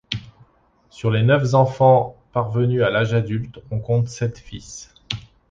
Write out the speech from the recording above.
Sur les neuf enfants parvenus à l'âge adulte, on compte sept fils.